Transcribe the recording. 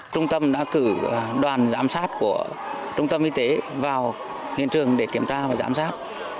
trung tâm đã cử đoàn giám sát của trung tâm y tế vào hiện trường để kiểm tra và giám sát